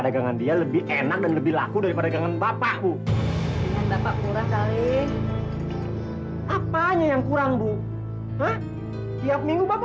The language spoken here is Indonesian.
dia lebih enak dan lebih laku daripada dengan bapak bu kurangan apa yang kurang bupac